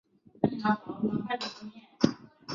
上野英三郎的秋田犬。